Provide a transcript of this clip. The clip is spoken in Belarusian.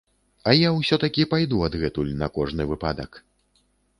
А я ўсё-такі пайду адгэтуль на кожны выпадак.